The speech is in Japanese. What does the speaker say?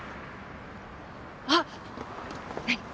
あっ何？